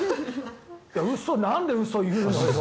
なんで嘘を言うのよ。